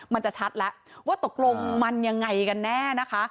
มันจะชัดแล้วว่าตกลงมันยังไงกันแน่นะคะ